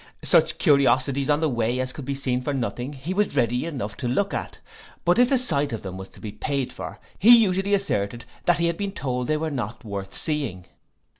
Such curiosities on the way as could be seen for nothing he was ready enough to look at; but if the sight of them was to be paid for, he usually asserted that he had been told they were not worth seeing.